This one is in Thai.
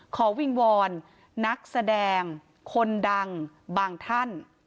วิงวอนนักแสดงคนดังบางท่าน